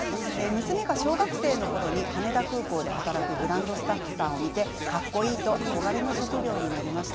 娘が小学生のころに羽田空港で働くグランドスタッフさんを見てかっこいいと憧れの職業になりました。